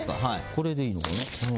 これでいいのね？